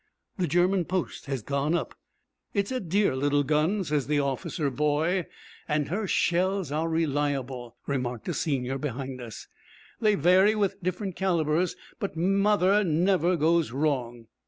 The German post has gone up. 'It's a dear little gun,' says the officer boy. 'And her shells are reliable,' remarked a senior behind us. 'They vary with different calibres, but "Mother" never goes wrong.'